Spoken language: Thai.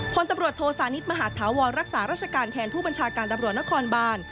พลตำรวจโทสานิทมหาธาวรรักษาราชการแทนผู้บัญชาการตำรวจนครบาน